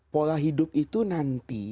pola hidup itu nanti